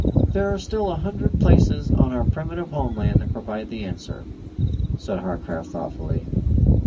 "There are still a hundred places on our primitive homeland that provide the answer," said Harcraft thoughtfully.